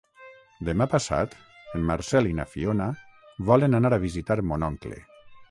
Demà passat en Marcel i na Fiona volen anar a visitar mon oncle.